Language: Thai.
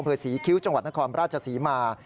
ศรีคิ้วจังหวัดนครราชศรีมา